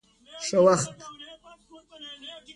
ښه وخت.